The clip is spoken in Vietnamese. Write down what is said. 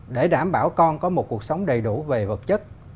để đảm bảo con có một cuộc sống đầy đủ về vật chất